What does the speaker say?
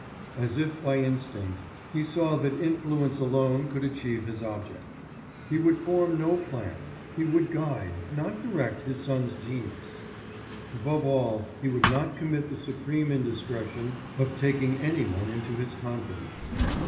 As if by instinct he saw that influence alone could achieve his object. He would form no plan, he would guide, not direct his son's genius. Above all he would not commit the supreme indiscretion of taking anyone into his confidence.